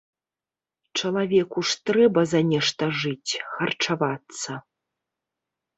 Чалавеку ж трэба за нешта жыць, харчавацца.